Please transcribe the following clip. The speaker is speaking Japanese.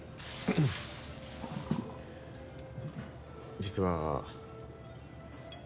実は。